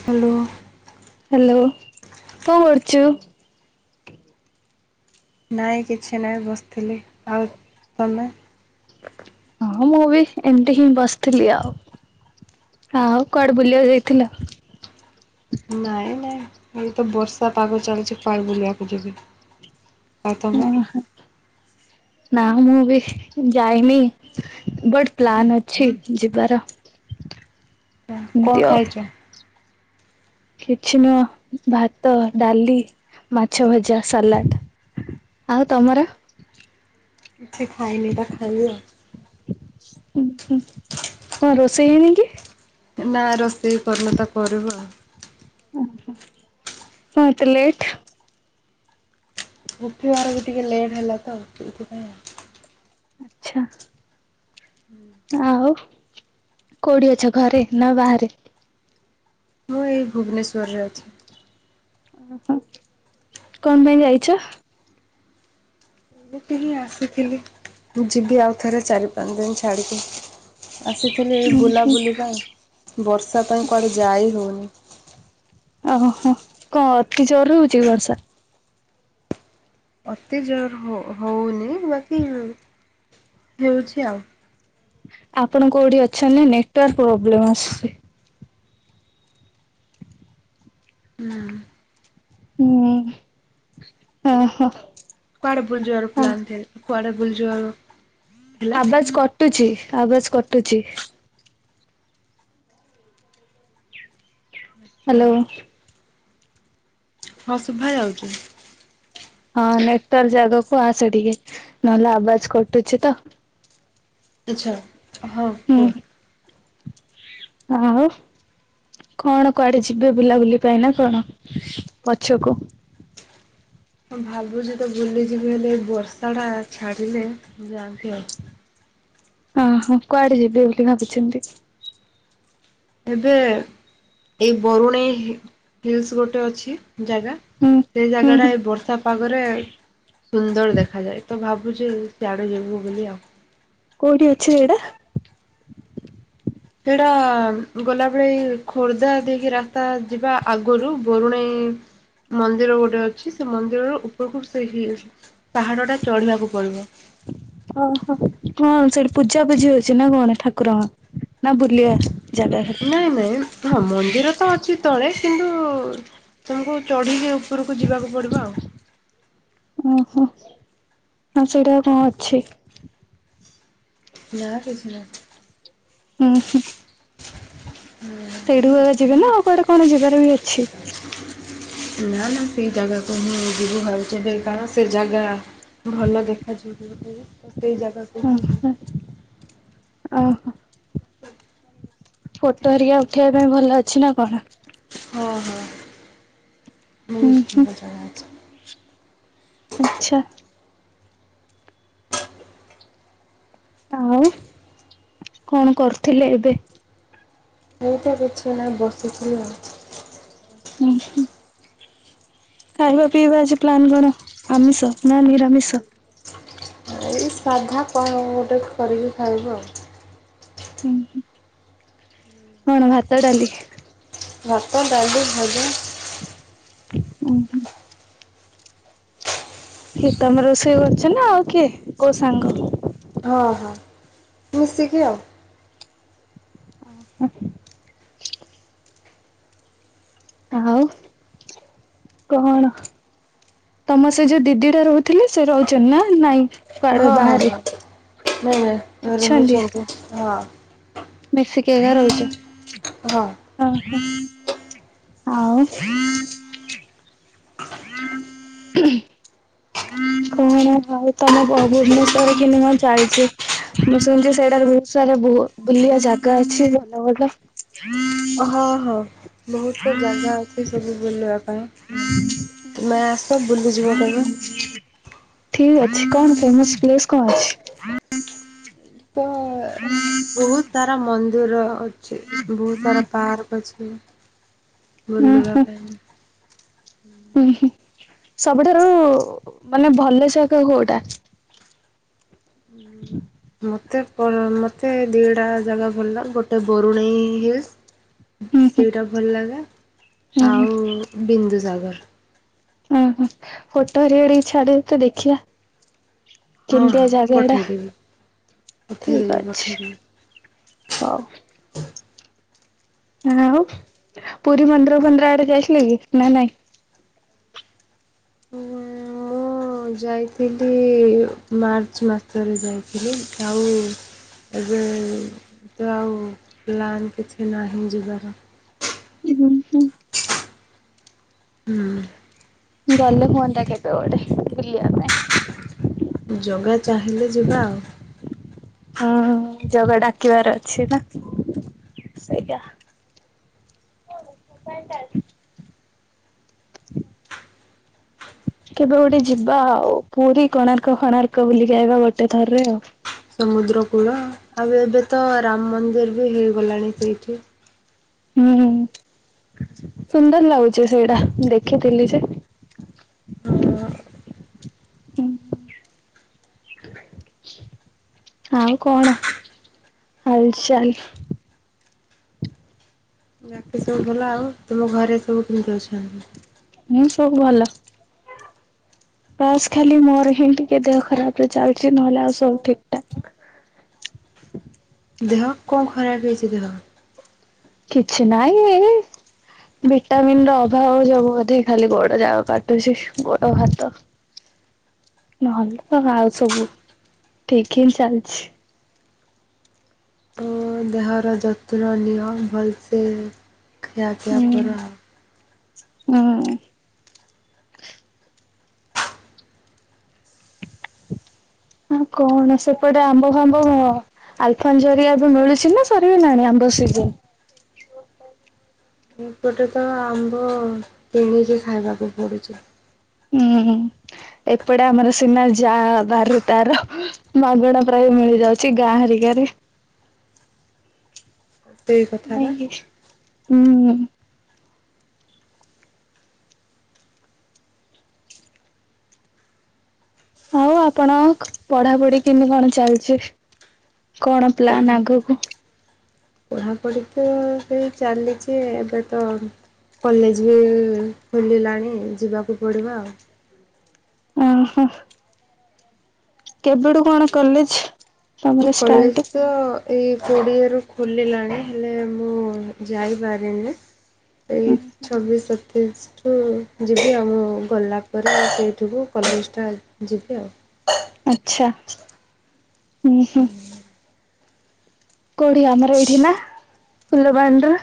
Hello hello, କଣ କରୁଚୁ? ନାଇଁ କିଛି ନାଇଁ ବସିଥିଲି, ଆଉ ତୋମେ? ହଁ ମୁଁ ବି ଏମିତି ହିଁ ବସିଥିଲି ଆଉ, ଆଉ କୁଆଡେ ବୁଲିବାକୁ ଯାଇଥିଲ? ନାଇଁ ନାଇଁ ଏଇ ତ ବର୍ଷା ପାଗ ଚାଲିଛି କୁଆଡେ ବୁଲିବାକୁ ଯିବି? ଆଉ ତମେ? ଓହୋ ନା ମୁଁ ବି ଯାଇନି। ବଟ୍ ପ୍ଲାନ୍ ଅଛି ଯିବାର। ହଁ ଏମିତି କଣ ଆଉ ଖାଇଛ? କିଛି ମୁଁ ଭାତ, ଡାଲି, ମାଛ ଭଜା, ସାଲାଡ। ଆଉ ତୋମର? କିଛି ଖାଇନି ପା। ଉଁ, ହଁ କଣ ରୋଷେଇ ହେଇନି କି? ନା ରୋଷେଇ କରନି ତ କରିବୁ ଆଉ। କଣ ଏତେ ଲେଟ୍? ଉଠିବାର ବି ଟିକେ ଲେଟ୍ ହେଲା ତ ଏଠି ଏଥିପାଇଁ ଆଉ। ଆଚ୍ଛା। ହୁଁ ଆଉ କୋଉଠି ଅଛ ଘରେ ନା ବାହାରେ? ମୁଁ ଏଇ ଭୁବନେଶ୍ୱରରେ ଅଛି। [inaudible] କଣ ପାଇଁ ଯାଇଛ? ଏଠିକି ଆସିଥିଲି ମୁଁ ଯିବି ଆଉ ଥରେ ଚାରି ପାଞ୍ଚ ଦିନ ଛାଡିକି। ଆସିଥିଲି ଏଇ ବୁଲାବୁଲି ପାଇଁ, ବର୍ଷା ପାଇଁ କୁଆଡେ ଯାାଇ ହଉନି। ଓହୋ, ହଁ କଣ ଅତି ଜୋରରେ ହଉଛି କି ବର୍ଷା? ଅତି ଜୋର ହ-ହଉନି ବାକି ଉଁ, ହେଉଛି ଆଉ। ଆପଣ କୋଉଠି ଅଛନ୍ତି ନେଟୱାର୍କ ପ୍ରୋବ୍ଲେମ୍ ଆସୁଛି? ନା। ହୁଁ, ଓହୋ। କୁଆଡେ ବୁଲିଯିବାର ପ୍ଲାନ୍ ଥିଲା, କୁଆଡେ ବୁଲି ଯିବାର ଆବାଜ୍ କଟୁଛି, ଆବାଜ୍ କଟୁଚି। ଆଛା ହ୍ୟାଲୋ। ହଁ, ଶୁଭା ଯାଉଛି। ହଁ ନେଟୱାର୍କ ଜାଗାକୁ ଆସ ଟିକେ, ନହେଲେ ଆବାଜ କଟୁଛି ତ। ଆଚ୍ଛା, ହଁ, ହୁଁ କୁହ। ଆଉ କଣ କୁଆଡେ ଯିବେ ବୁଲାବୁଲି ପାଇଁ ନା କଣ ପଛକୁ? ମୁଁ ଭାବୁଛି ତ ବୁଲିଯିବି ହେଲେ ଏ ବର୍ଷା ଟା ଛାଡିଲେ ଯାଆନ୍ତି ଆଉ। ଓ ହୋ, କୁଆଡେ ଯିବେ ବୋଲି ଭାବିଛନ୍ତି? ଏବେ ଏଇ ବରୁଣେଇ ହି- ହିଲ୍ସ୍ ଗୋଟେ ଅଛି ଜାଗା, ହୁଁ ସେ ହୁଁ ଜାଗା ଟା ହୁଁ ଏ ବର୍ଷା ପାଗରେ ସୁନ୍ଦର ଦେଖାଯାଏ। ତ ଭାବୁଛି ସିଆଡ଼େ ଯିବୁ ବୋଲି ଆଉ। କୋଉଠି ଅଛି ଜାଗାଟା? ସେଇଟା ଗଲାବେଳେ ଏଇ ଖୋର୍ଦ୍ଧା ଦେଇକି ରାସ୍ତା ଯିବା ଆଗରୁ ବରୁଣେଇ ମନ୍ଦିର ଗୋଟେ ଅଛି ସେ ମନ୍ଦିରରୁ ଉପରକୁ ସେ ହିଲ୍ସ ପାହାଡ ଟା ଚଢିବାକୁ ପଡିବ। ଓହୋ କଣ ସେଠି ପୂଜାପୂଜିି ହଉଛି ନା କଣ ଠାକୁରଙ୍କ? ନା ବୁଲିବା? ଜାଗା ଖାଲି ନାଇଁ ନାଇଁ ହଁ ମନ୍ଦିର ତ ଅଛି ତଳେ କିନ୍ତୁ ତୁମକୁ ଚଢ଼ିକି ଉପରକୁ ଯିବାକୁ ପଡ଼ିବ ଆଉ। ଓହୋ ହଁ ସେଇଟା କଣ ଅଛି? [unintelligible] ଉହୁଁ। ସେଇଠୁ ଏକା ଯିବେ ନା ଆଉ କୁଆଡେ କଣ ଯିବାର ବି ଅଛି? ନା, ନା ସେଇ ଜାଗାକୁ ମୁଁ ଯିବୁ ଭାବୁଚୁ ହେବ କଣ ସେ ଜାଗା ଭଲ ଦେଖାଯାଉ ତ ସେଇ ଜାଗା ଓହୋ, ଓହୋ ଫୋଟୋ ହେରିକା ଉଠେଇ ପାଇଁ ଭଲ ଅଛି ନା କଣ? ହଁ, ହୁଁ ବହୁତ ହୁଁ ଭଲ ଜାଗା ଅଛି। ଆଚ୍ଛା! ଆଉ କଣ କରୁଥିଲେ ଏବେ? ଏଇପା ବିଛଣା ରେ ବସିଛି ଆଉ। ଉହୁଁ ଖାଇବା ପିଇବା ଆଜି ପ୍ଲାନ୍ କଣ ଆମିଷ ନା ନିରାମିଷ? ଏଇ ସାଧା କଣ ଗୋଟେ କରିକି ଖାଇବୁ ଆଉ। ଉହୁଁ କଣ ଭାତ, ଡାଲି? ଭାତ, ଡାଲି, ଭଜା। ଉଁ ହୁଁ ହେ ତମେ ରୋଷେଇ କରୁଛ ନା ଆଉ କିଏ କୋଉ ସାଙ୍ଗ? ହଁ, ହଁ ମିଶିକି ଆଉ। ଆଉ କଣ? ତମ ସେ ଯୋଉ ଦିଦି ଟା ରହୁଥିଲେ ସେ ରହୁଛ ନା ନାଇଁ? କୁଆଡେ ହଁ, ହଁ, ବାହାରେ? ନାଇଁ, ନାଇଁ ଘରେ ଅଛନ୍ତି ରହୁଛନ୍ତି ହଁ, ମିଶିକି ଏକା ରହୁଛୁ ହଁ। ଓହୋ ଆଉ! [inaudible] କଣ ଆଉ ଭାଇ ତମ ଭୁବନେଶ୍ଵର କେମିତି କଣ ଚାଲିଛି? ମୁଁ ଶୁଣିୁଛି ସେଇଟାରେ ବହୁତ ସାରା ବହୁ ବୁଲିଆ ଜାଗା ଅଛି, ଯାଉନ ଭଲ ହଁ, ହଁ ବହୁତ ଜାଗା ଅଛି ସବୁ ବୁଲିବା ହୁଁ ତୁମେ ଆସ ବୁଲିଯିବ କେବେ ହୁଁ ଠିକ୍ ଅଛି, କଣ ଫେମସ ପ୍ଲେସ କଣ ଅଛି? ପ ହୁଁ [inaudible] ବହୁତ ସାରା ମନ୍ଦିର ଅଛି, ବହୁତ ସାରା ପାର୍କ ଅଛି, ଉଁ ବୁଲିବା ହୁଁ ପାଇଁ। ହୁଁ, ହୁଁ ସବୁଠାରୁ ମାନେ ଭଲ ଜାଗା କୋଉଟା? ଉଁ ମ ମୋତେ, ପ ମୋତେ ଦୁଇଟା ଜାଗା ଭଲଲାଗେ ଗୋଟେ ବରୁଣେଇ ହିଲ୍ସ୍ ହୁଁ ହୁଁ ସେଇଟା ଭଲ ଲାଗେ, ହୁଁ ହୁଁ ଆଉ ବିନ୍ଦୁ ସାଗର। ଉଁ ହୁଁ, ଫୋଟୋ ହେରିକା ରିକ ଛାଡ଼ିବୁ ଟିକେ ଦେଖିବା। ହଁ କେମିତିଆ ହଁ ଜାଗାଡା, ପଠେଇଦେବି ଠିକ୍ ପଠେଇଦେବି ପଠେଇଦେବି ଅଛି। ହଉ। ଆଉ, ପୁରୀ ମନ୍ଦିର ଫନ୍ଦିର ଆଡେ ଯାଇଥିଲେ କି ନା ନାଇଁ? [inaudible] ହଁ ଯାଇଥିଲି, ମାର୍ଚ୍ଚ ମାସରେ ଯାଇଥିଲି ଆଉ ଏବେ, ତ ଆଉ ପ୍ଲାନ୍ କିଛି ନାହିଁ ଯିବାର। ଉଁ ହୁଁ। ହୁଁ। ଗଲେ ହୁଅନ୍ତା, କେବେ ଗୋଟେ ବୁଲିବା ପାଇଁ। ଜଗା ଚାହିଁଲେ ଯିବା ଆଉ। ହୁଁ, ଜଗା ଡାକିବାର ଅଛି ନା ସେଇୟା। କେବେ ଗୋଟେ ଯିବା ଆଉ ପୁରୀ, କୋଣାର୍କ, ଫୋଣାର୍କ ବୁଲିକି ଆଇବା ଗୋଟେ ଥରରେ ଆଉ। ସମୁଦ୍ର କୂଳ, ଆଉ ଏବେ ତ ରାମ ମନ୍ଦିର ବି ହେଇଗଲାଣି ସେଇଠି। ଉଁ ହୁଁ ସୁନ୍ଦର ଲାଗୁଛି ସେଇଟା, ମୁଁ ଦେଖିଥିଲି ଯେ ହଁ। ଆଉ କଣ ହାଲ୍ ଚାଲ୍? ବାକି ସବୁ ଭଲ, ଆଉ ତୁମ ଘରେ ସ ବୋଉ କେମିତି ଅଛନ୍ତି? ହୁଁ ସବୁ ଭଲ। ବାସ ଖାଲି ମୋର ହିଁ ଟିକେ ଦେହ ଖରାପ ରେ ଚାଲିଛି, ନହେଲେ ଆଉ ସବୁ ଠିକ୍ ଠାକ୍। ଦେହ, କଣ ଖରାପ୍ ହେଇଛି ଦେହ? କିଛି ନାଇଁ ଏଇ ଭିଟାମିିନ ର ଅଭାବ ଯୋଗୁବୋଧେ ଖାଲି ଗୋଡ ଯାକ କାଟୁଛି, ଗୋଡ ହାତ ନ ହେଲେ ତ, ଆଉ ସବୁ ଠିକ୍ ହିଁ ଚାଲିଛି। ହଁ, ଦେହର ଯତ୍ନ ନିଅ ଭଲସେ ଖିଆପିଆ ହୁଁ କର ଆଉ ହଁ। ଆଉ କଣ ସେପଟେ ଆମ୍ବ ଫାମ୍ବ ଆଲଫନ୍ ଜରି ଏବେ ମିଳୁଛି ନା ସରିଗଳାଣି ଆମ୍ବ ସିଜିନ୍? ଏପଟେ ତ ଆମ୍ବ, କିଣିକି ଖାଇବାକୁ ପଡ଼ୁଛି। ହୁଁ, ଏପଟେ ଆମର ସିନା ଯା ବାରି ରେ ତାର ମାଗଣା ପ୍ରାୟ ମିଳି ଯାଉଛି ଗାଁ ହରିକାରେ। ସେଇ ନାଇଁ କଥାଟା କି ହୁଁ। ଆଉ ଆପଣ କ ପଢାପଢି କେମିତି କଣ ଚାଲିଛି। କଣ ପ୍ଲାନ ଆଗକୁ? ପଢାପଢି ତ ସେଇ ଚାଲିଛି ଏବେ ତ କଲେଜ୍ ବି ଖୋଲିଲାଣି ଯିବାକୁ ପଡ଼ିବ ଆଉ। ଓହୋ। କେବେଠୁ କଣ କଲେଜ୍? ଏ କଲେଜ୍ ତ ଏଇ କୋଡ଼ିଏରୁ ଖୋଲି ଲାଣି ହେଲେ ମୁଁ ଯାଇପାରିନି। ତେଇସି ଛବିଶ ସତ୍ ତେଇଶି ଠୁ ଯିବି ଆଉ ମୁଁ ଗଲା ପରେ ସେଇଠିକୁ କଲେଜଟା ଯିବି ଆଉ। ଆଛା ହୁଁ ହୁଁ। କୋଉଠି ଆମର ଏଇଠି ନା ଫୁଲବାଣୀରେ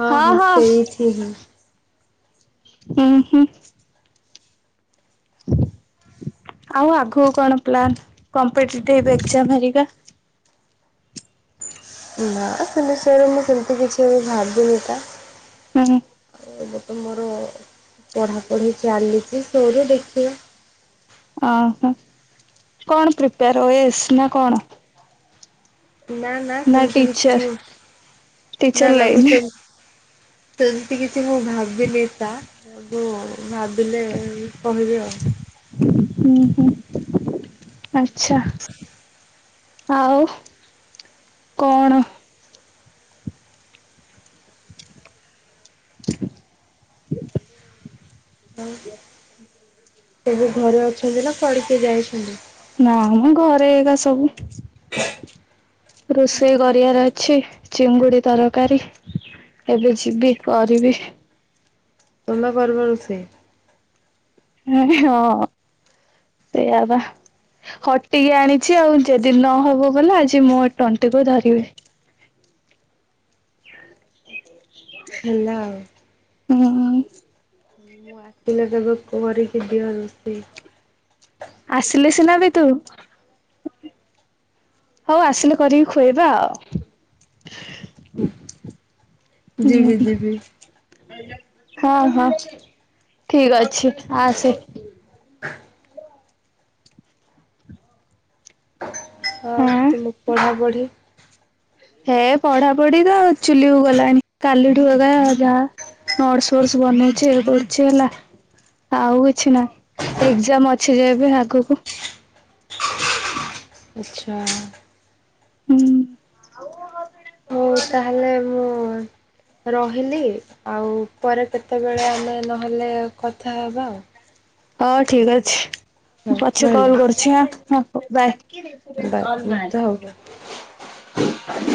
ହଁ ହଁ ସେଇଠୀ ହଁ। ଉହୁଁ। ଆଉ ଆଗକୁ କଣ ପ୍ଲାନ କମ୍ପିଟେଟିଭ୍ ଏଗଜାମ୍ ହେରିକା? ନା ସେ ବିଷୟରେ ମୁଁ ସେମତି କିଛି ଭାବିନି ତା। ହୁଁ। ଆଉ ଏବେ ତ ମୋର ପଢାପଢି ଚାଲିଛି ସରୁ ଦେଖିବା। ଅ ହ କଣ ପ୍ରିପେୟାର ହୁଏ ଏସ୍ ନା କଣ? ନା ନା ସେମିତି କିଛି ନୁହଁ। ନା ଟିଚର ନା ମୁଁ ଲାଇନ୍ ହୁଁ ସେମ ସେମିତି କିଛି ମୁଁ ଭାବିନି ତା ମୁ ଭାବିଲେ କହିବି ଆଉ। ହୁଁ ହୁଁ ଆଛା। ଆଉ କଣ? [inaudible] ଆଉ ଏବେ ଘରେ ଅଛନ୍ତି ନା କୁଆଡେ଼ କିଏ ଯାଇଛନ୍ତି? ନା ଆମ ଘରେ ଏଗା ସବୁ। ରୋଷେଇ କରିବାର ଅଛି ଚିଙ୍ଗୁଡି ତରକାରୀ। ଏବେ ଯିବି କରିବି। ତମେ କରୁନ ରୋଷେଇ? ହଁ ସେଇଆ ବା ହଟିକି ଆଣିଛି ଆଉ ଯଦି ନହବ ଗଲେ ଆଜି ମୋ ତଣ୍ଟିକୁୁ ଧରିବେ। ହେଲା ଆଉ। ହୁଁ ହୁଁ। ମୁଁ ଆସିଲା ଦେବେ କରିକି ଦିଅ ରୋଷେଇ। ଆସିଲେ ସିନା ବି ତୁ। ହଉ ଆସିଲେ କରିକି ଖୁଆଇବା ଆଉ। ହୁଁ ଯିବି ଯିବି। ହଁ ହଁ ଠିକ ଅଛି ଆସେ। ଆଉ ହଁ। ତୁମ ପଢ଼ାପଢ଼ି? ହେ ପଢା ପଢି ତ ଚୁଲିକୁ ଗଲଣିି କାଲିଠୁ ଏଗା ଯାହା। ନୋର୍ ଫୋର୍ସ୍ ବନଉଛି ଇଏ କରୁଛି ହେଲା। ଆଉ କିଛି ନାହିଁ ଏକ୍ଜାମ ଅଛି ଯେ ଏବେ ଆଗକୁ ଆଚ୍ଛା। ହୁଁ। ହଉ ତାହେଲେ ମୁଁ ରହିଲି ଆଉ ପରେ କେତେବେଳେ ଆମେ ନହେଲେ କଥା ହେବା ଆଉ। ହୋଉ ଠିକ ଅଛି ମୁଁ ହଁ ପଛେ କଲ୍ ରହିଲି କରୁଛି ହଁ ବାଏ ବାଏ ତ ହଉ। [unintelligible]